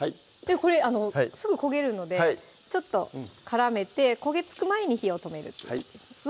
これすぐ焦げるのでちょっと絡めて焦げ付く前に火を止めるっていう感じですね